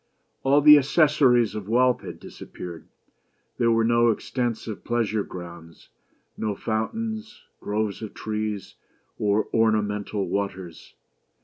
All the accessories of wealth had disappeared. There were no extensive pleasure grounds, no fountains, groves of trees, or ornamental waters.